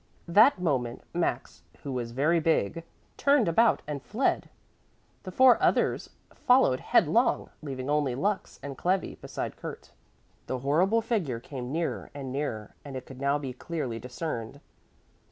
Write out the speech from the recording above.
That moment Max, who was very big, turned about and fled. The four others followed headlong, leaving only Lux and Clevi beside Kurt. The horrible figure came nearer and nearer, and it could now be clearly discerned.